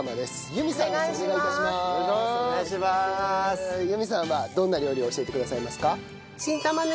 由美さんはどんな料理を教えてくださいますか？